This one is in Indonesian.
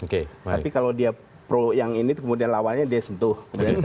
tapi kalau dia pro yang ini kemudian lawannya dia sentuh